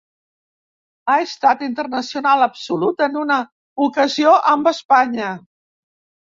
Ha estat internacional absolut en una ocasió amb Espanya.